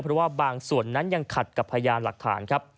เพราะว่าบางส่วนนั้นยังขัดกับพยานหลักฐานครับ